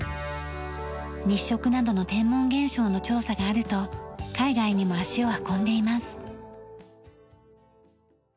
日食などの天文現象の調査があると海外にも足を運んでいます。